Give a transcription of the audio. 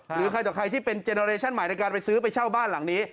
หรือใครต่อใครที่เป็นเจโนเรชั่นใหม่ในการไปซื้อไปเช่าบ้านหลังนี้